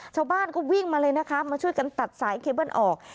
ชาวบ้านก็วิ่งมาเลยนะคะมาช่วยกันตัดสายเคเบิ้ลออก